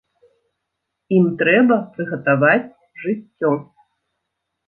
Ім трэба прыгатаваць жыццё.